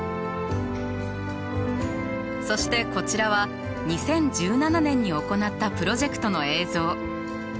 そしてこちらは２０１７年に行ったプロジェクトの映像。